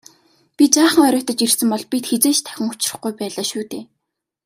Би жаахан оройтож ирсэн бол бид хэзээ ч дахин учрахгүй байлаа шүү дээ.